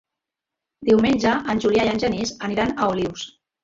Diumenge en Julià i en Genís aniran a Olius.